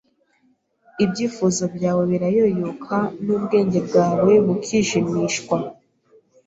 Ibyifuzo byawe birayoyoka, n’ubwenge bwawe bukijimishwa.